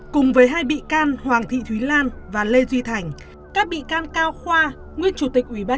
cùng với hai bị can hoàng thị thúy lan và lê duy thành các bị can cao khoa nguyên chủ tịch ủy ban